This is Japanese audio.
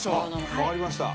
わかりました。